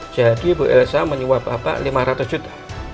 jadi bu elsa menyuap bapak lima ratus juta